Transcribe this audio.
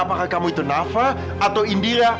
apakah kamu itu nafa atau indira